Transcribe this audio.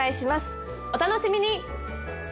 お楽しみに！